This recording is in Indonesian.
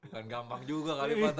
bukan gampang juga